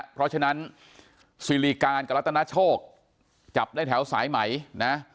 เพราะฉะนั้นสิริการกับรัฐนาโชคจับได้แถวสายไหมนะ